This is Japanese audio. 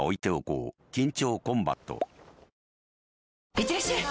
いってらっしゃい！